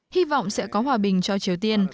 hy vọng sẽ có hòa bình cho triều tiên